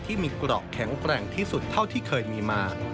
ที่มีเกราะแข็งแกร่งที่สุดเท่าที่เคยมีมา